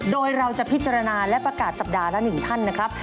โดยเราจะพิจารณาและประกาศสัปดาห์ละ๑ท่านนะครับ